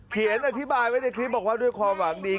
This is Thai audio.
เขียนอธิบายไว้ในคลิปบอกว่าด้วยความหวังดี